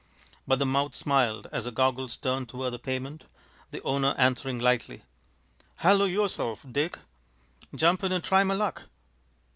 But the mouth smiled as the goggles turned toward the pavement, the owner answering lightly: "Halloo yourself, Dick! Jump in and try my luck."